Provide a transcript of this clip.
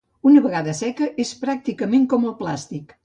Una vegada seca és pràcticament com el plàstic.